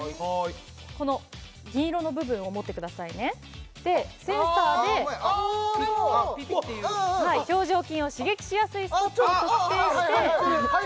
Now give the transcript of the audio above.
この銀色の部分を持ってくださいねでセンターでああでもうんうん表情筋を刺激しやすいスポットを特定してはい